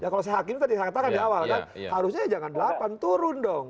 kalau saya hakim tadi saya katakan di awal kan harusnya jangan delapan turun dong